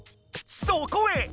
⁉そこへ。